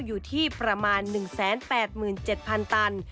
อยู่ที่ประมาณ๑๘๗๐๐ตัน